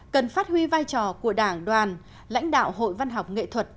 cần phát huy vai trò của đảng đoàn lãnh đạo hội văn học nghệ thuật